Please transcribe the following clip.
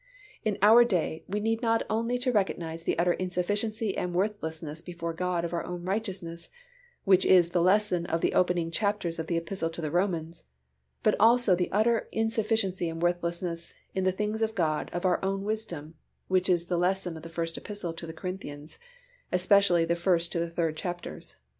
In our day we need not only to recognize the utter insufficiency and worthlessness before God of our own righteousness, which is the lesson of the opening chapters of the Epistle to the Romans, but also the utter insufficiency and worthlessness in the things of God of our own wisdom, which is the lesson of the First Epistle to the Corinthians, especially the first to the third chapters.